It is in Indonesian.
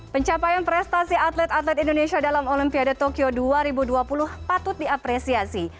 pencapaian prestasi atlet atlet indonesia dalam olimpiade tokyo dua ribu dua puluh patut diapresiasi